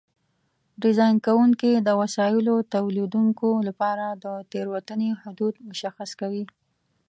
ډیزاین کوونکي د وسایلو تولیدوونکو لپاره د تېروتنې حدود مشخص کوي.